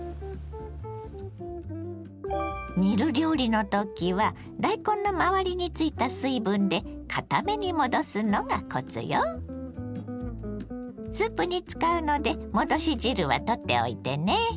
煮る料理の時は大根の周りについた水分でスープに使うので戻し汁は取っておいてね。